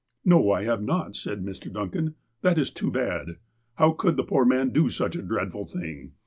" "No, I have not," said Mr. Duncan. "That is too bad. How could the poor man do such a dreadful thing